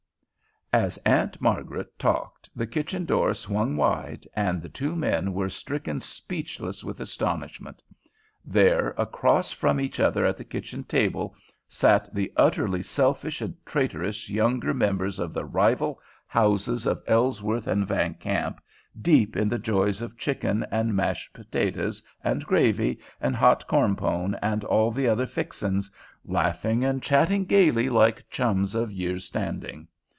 As Aunt Margaret talked, the kitchen door swung wide, and the two men were stricken speechless with astonishment. There, across from each other at the kitchen table, sat the utterly selfish and traitorous younger members of the rival houses of Ellsworth and Van Kamp, deep in the joys of chicken, and mashed potatoes, and gravy, and hot corn pone, and all the other "fixings," laughing and chatting gaily like chums of years' standing.